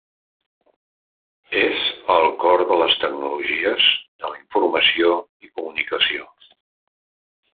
És el cor de les tecnologies, de la informació i comunicació.